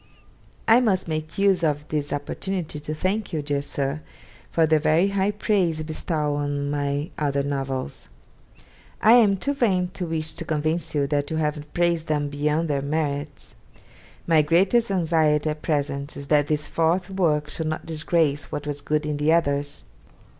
I must make use of this opportunity to thank you, dear Sir, for the very high praise you bestow on my other novels. I am too vain to wish to convince you that you have praised them beyond their merits. My greatest anxiety at present is that this fourth work should not disgrace what was good in the others.